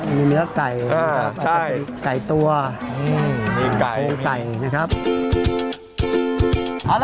มีเนื้อไก่มีไก่ตัวมีโครงไก่นะครับ